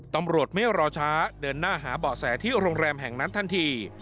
ตำรวจไม่รอช้าเดินหน้าหาเบาะแสที่โรงแรมแห่งนั้นทันที